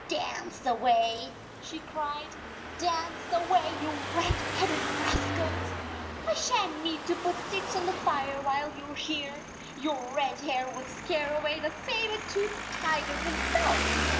" Dance away," she cried, " dance away, you red headed rascals ! I shan t need to put sticks on the fire while you are here. Your red hair would scare away the saber toothed tiger himself!